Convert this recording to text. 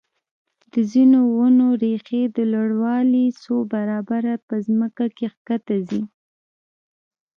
د ځینو ونو ریښې د لوړوالي څو برابره په ځمکه کې ښکته ځي.